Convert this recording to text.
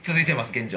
現状。